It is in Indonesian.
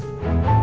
udah tidur kali ya